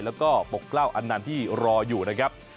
แล้วก็ปกกล้าวอันนันที่รออยู่นะครับ